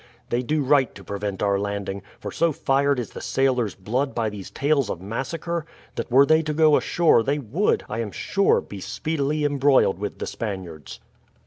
They do right to prevent our landing; for so fired is the sailors' blood by these tales of massacre, that were they to go ashore they would, I am sure, be speedily embroiled with the Spaniards.